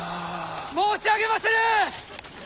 申し上げまする！